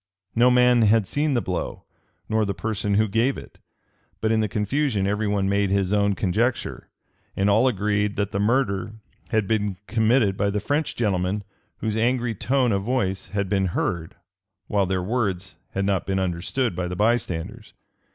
No man had seen the blow, nor the person who gave it, but in the confusion every one made his own conjecture; and all agreed that the murder had been committed by the French gentlemen whose angry tone of voice had been heard, while their words had not been understood by the bystanders.